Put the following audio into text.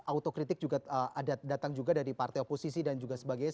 auto kritik juga ada datang juga dari partai oposisi dan juga sebagainya